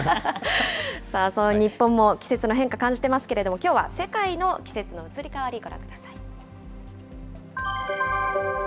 さあ、その日本も季節の変化、感じてますけれども、きょうは世界の季節の移り変わりご覧ください。